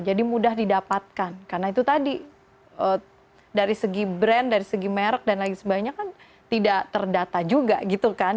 jadi mudah didapatkan karena itu tadi dari segi brand dari segi merk dan lain sebagainya kan tidak terdata juga gitu kan